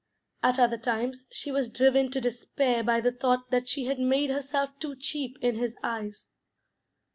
At other times she was driven to despair by the thought that she had made herself too cheap in his eyes.